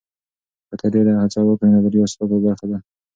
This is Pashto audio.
که ته ډېره هڅه وکړې، نو بریا ستا په برخه ده.